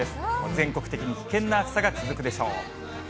全国的に危険な暑さが続くでしょう。